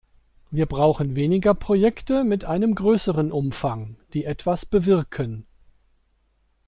Wir brauchen weniger Projekte mit einem größeren Umfang, die etwas bewirken.